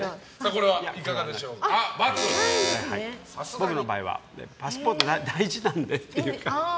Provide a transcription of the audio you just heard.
僕の場合はパスポート大事なのでっていうか。